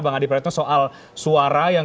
bang adi praetno soal suara yang